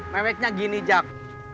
meweknya gini jak